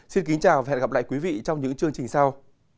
xin kính chào và hẹn gặp lại quý vị trong những chương trình sau